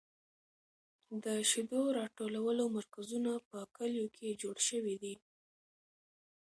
د شیدو راټولولو مرکزونه په کلیو کې جوړ شوي دي.